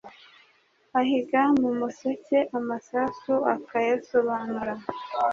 Ahiga mu museke amasasu akayasobanura